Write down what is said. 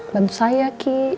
bantu saya ki